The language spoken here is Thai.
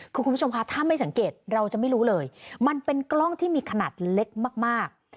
คือคุณผู้ชมคะถ้าไม่สังเกตเราจะไม่รู้เลยมันเป็นกล้องที่มีขนาดเล็กมาก